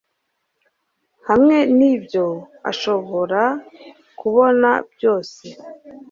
hamwe n'ibyo ashobora kubona byose